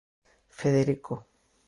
Federico.